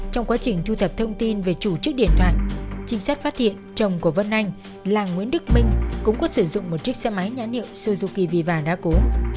trong quá trình thu thập thông tin về chủ chức điện thoại trinh sát phát hiện chồng của vân anh là nguyễn đức minh cũng có sử dụng một chiếc xe máy nhãn niệm suzuki viva đá cố